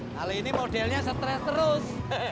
kali ini modelnya stres terus